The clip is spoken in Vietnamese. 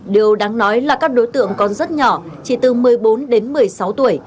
điều đáng nói là các đối tượng còn rất nhỏ chỉ từ một mươi bốn đến một mươi sáu tuổi